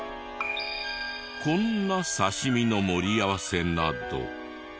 こんな刺身の盛り合わせなど。